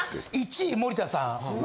１位森田さん。